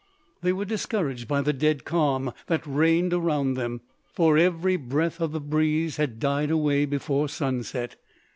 They were discouraged by the dead calm that reigned around them; for every breath of the breeze had died away before sunset.